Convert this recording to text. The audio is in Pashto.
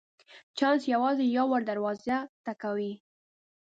چانس یوازي یو وار دروازه ټکوي .